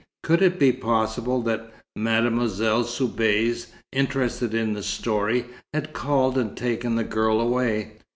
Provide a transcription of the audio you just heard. Could it be possible that Mademoiselle Soubise, interested in the story, had called and taken the girl away?